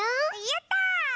やった！